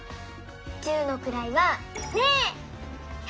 十のくらいは「０」。